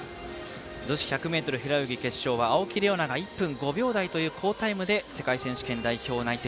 女子１００ｍ平泳ぎ決勝は青木玲緒樹が１分５秒台という好タイムで世界選手権代表内定。